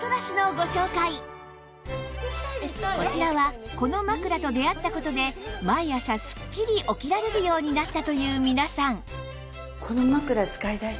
こちらはこの枕と出会った事で毎朝スッキリ起きられるようになったという皆さん